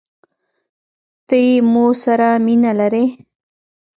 ته يې مو سره مينه لرې؟